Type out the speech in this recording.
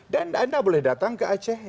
dan anda boleh datang ke aceh